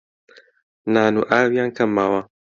نان و ئاویان کەم ماوە